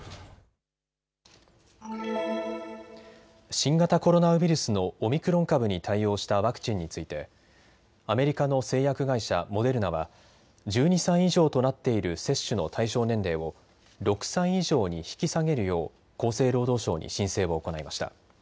新型コロナウイルスのオミクロン株に対応したワクチンについてアメリカの製薬会社、モデルナは１２歳以上となっている接種の対象年齢を６歳以上に引き下げるよう厚生労働省に申請を行いました。